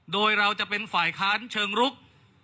โดยเราจะเป็นฝ่ายค้านเชิงรุก